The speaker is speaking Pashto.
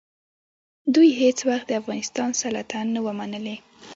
دوی هېڅ وخت د افغانستان سلطه نه وه منلې.